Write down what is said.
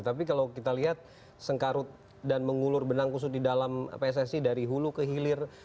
tapi kalau kita lihat sengkarut dan mengulur benang khusus di dalam pssi dari hulu ke hilir